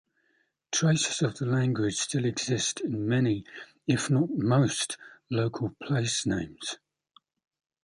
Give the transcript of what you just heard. Traces of the language still exist in many, if not most, local placenames.